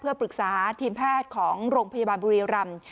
เพื่อปรึกษาทีมแพทย์ของโรงพยาบาลบุรีรัมน์